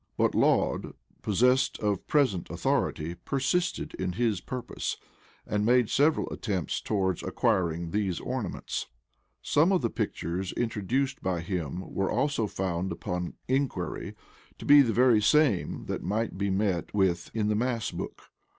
But Laud possessed of present authority, persisted in his purpose, and made several attempts towards acquiring these ornaments. Some of the pictures introduced by him were also found, upon inquiry, to be the very same that might be met with in the mass book.